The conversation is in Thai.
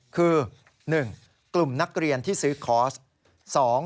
คือ๑กลุ่มนักเรียนที่ซื้อคอร์ส